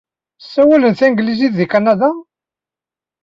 Ssawalen tanglizit deg Kanada?